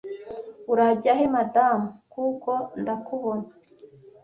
Urajya he, madamu? kuko ndakubona,